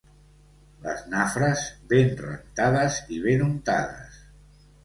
Les nafres, ben rentades i ben untades.